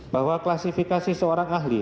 bahwa klasifikasi seorang ahli